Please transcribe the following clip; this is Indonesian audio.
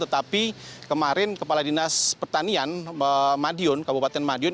tetapi kemarin kepala dinas pertanian madiun kabupaten madiun